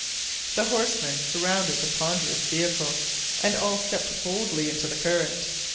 The horsemen surrounded the ponderous vehicle, and all stepped boldly into the current.